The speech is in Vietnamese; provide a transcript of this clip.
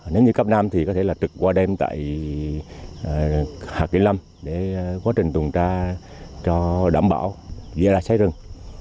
nếu như cấp năm thì có thể là trực qua đêm tại hạt tiệm lâm để quá trình tuần tra cho đảm bảo diễn ra trái rừng